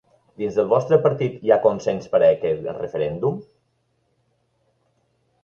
Dins del vostre partit hi ha consens per a aquest referèndum?